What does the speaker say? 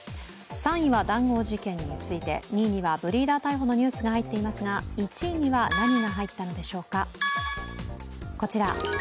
３位は談合事件について、２位にはブリーダー逮捕のニュースが入っていますが１位には何が入ったのでしょうか、こちら。